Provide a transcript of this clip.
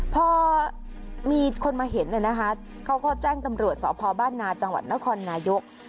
พอมีคนมาเห็นเขาก็แจ้งตำรวจสพบ้านนาจังหวัดนครนายก